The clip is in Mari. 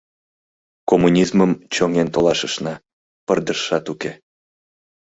Коммунизмым чоҥен толашышна — пырдыжшат уке.